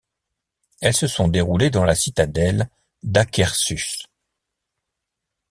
Elles se sont déroulées dans la citadelle d'Akershus.